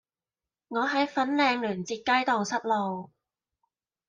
我喺粉嶺聯捷街盪失路